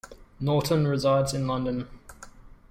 Norton resides in London.